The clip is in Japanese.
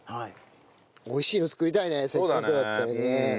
美味しいの作りたいねせっかくだったらね。